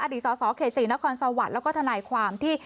สสเขต๔นครสวรรค์แล้วก็ทนายความที่